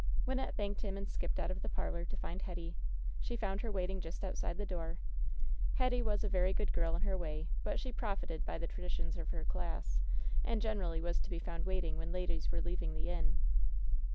Wynnette thanked him and skipped out of the parlor to find Hetty. She found her waiting just outside the door. Hetty was a very good girl in her way; but she profited by the traditions of her class, and generally was to be found waiting when ladies were leaving the inn.